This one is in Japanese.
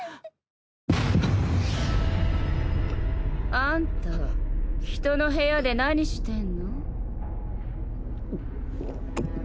あんた人の部屋で何してんの？